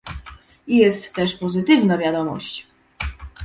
Jest też pozytywna wiadomość